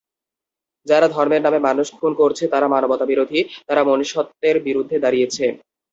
যারা ধর্মের নামে মানুষ খুন করছে তারা মানবতাবিরোধী, তারা মনুষ্যত্বের বিরুদ্ধে দাঁড়িয়েছে।